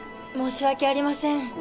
申し訳ありません。